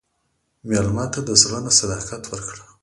مېلمه ته د زړه نه صداقت ورکړه.